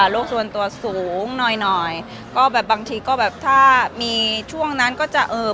โรคส่วนตัวสูงหน่อยหน่อยก็แบบบางทีก็แบบถ้ามีช่วงนั้นก็จะเอ่อ